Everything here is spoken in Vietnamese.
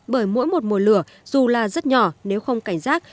bởi mỗi một mùa lửa dù là rất nhỏ nếu không cảnh giác